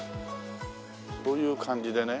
こういう感じでね。